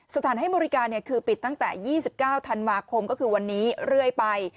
สถานให้บริการคือปิดตั้งแต่๒๙ธันวาคมก็คือวันนี้เรื่อยไป